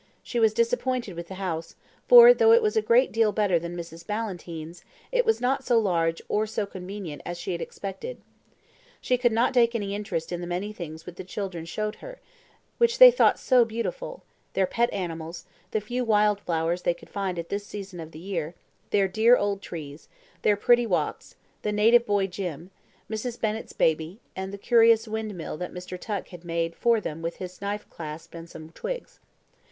She was disappointed with the house, for though it was a great deal better than Mrs. Ballantyne's, it was not so large or so convenient as she had expected. She could not take any interest in the many things which the children showed her, which they thought so beautiful their pet animals, the few wild flowers they could find at this season of the year, their dear old trees, their pretty walks, the native boy Jim, Mrs. Bennett's baby, and the curious windmill that Mr. Tuck had made for them with his clasp knife and some twigs.